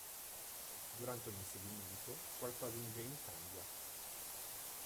Durante un inseguimento, qualcosa in Jane cambia.